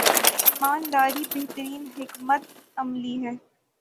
ایمان داری بہترین حکمت عملی ہے۔